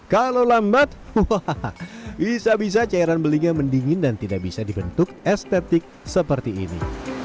kalau lambat bisa bisa cairan belinya mendingin dan tidak bisa dibentuk estetik seperti ini